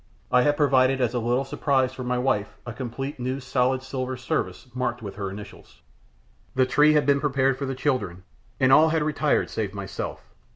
I had provided as a little surprise for my wife a complete new solid silver service marked with her initials. The tree had been prepared for the children, and all had retired save myself.